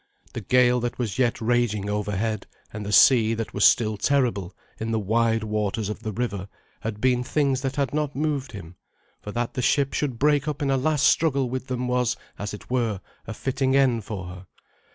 The gale that was yet raging overhead and the sea that was still terrible in the wide waters of the river had been things that had not moved him, for that the ship should break up in a last struggle with them was, as it were, a fitting end for her.